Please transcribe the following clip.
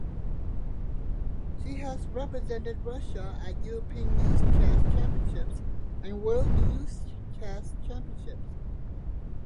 She has represented Russia at European Youth Chess Championships and World Youth Chess Championships.